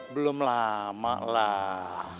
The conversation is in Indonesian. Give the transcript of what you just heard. belum lama lah